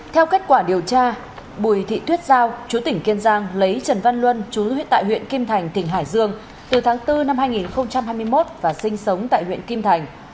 theo kết quả điều tra bùi thị tuyết giao chú tỉnh kiên giang lấy trần văn luân chú huyện tại huyện kim thành tỉnh hải dương từ tháng bốn năm hai nghìn hai mươi một và sinh sống tại huyện kim thành